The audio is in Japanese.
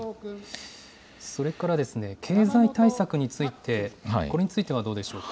それから経済対策について、これについてはどうでしょうか。